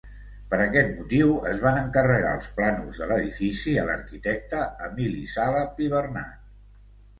Per aquest motiu, es van encarregar els plànols de l'edifici a l'arquitecte Emili Sala Pibernat.